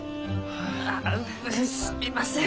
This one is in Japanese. ああすみません！